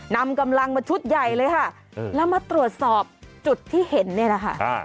นำกำลังมาชุดใหญ่เลยค่ะแล้วมาตรวจสอบจุดที่เห็นเนี่ยแหละค่ะ